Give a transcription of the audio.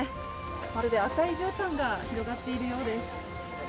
まるで赤いじゅうたんが広がっているようです。